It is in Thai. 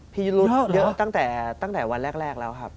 พิรุธเยอะตั้งแต่วันแรกแล้วครับ